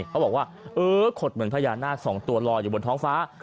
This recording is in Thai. เขาบอกว่าเออขดเหมือนพญานาคสองตัวลอยอยู่บนท้องฟ้า